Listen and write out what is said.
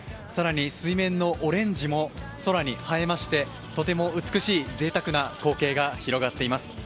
水面のオレンジも空に映えまして、とても美しいぜいたくな光景が広がっています。